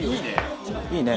いいね！